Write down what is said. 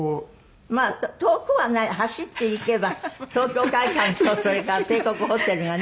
まあ遠くはない走って行けば東京會舘とそれから帝国ホテルはね